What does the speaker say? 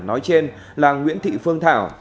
nói trên là nguyễn thị phương thảo